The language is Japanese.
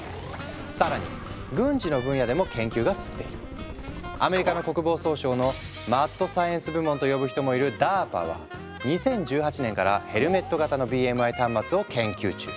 更にアメリカの国防総省のマッドサイエンス部門と呼ぶ人もいるＤＡＲＰＡは２０１８年からヘルメット型のＢＭＩ端末を研究中。